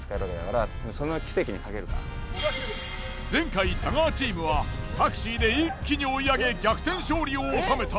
前回太川チームはタクシーで一気に追い上げ逆転勝利を収めた。